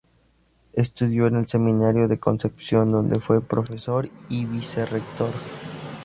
Estudió en el Seminario de Concepción, donde fue profesor y vicerrector.